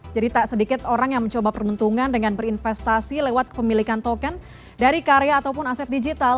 jadi tak sedikit orang yang mencoba perbentungan dengan berinvestasi lewat pemilikan token dari karya ataupun aset digital